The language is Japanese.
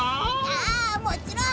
ああもちろん。